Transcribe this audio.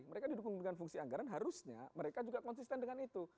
mereka didukung dengan fungsi anggaran harusnya mereka juga konsisten dengan itu